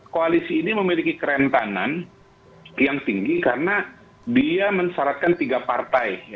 koalisi ini memiliki kerentanan yang tinggi karena dia mensyaratkan tiga partai